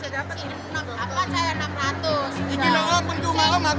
rambutnya ke sini saya dapat rp enam ratus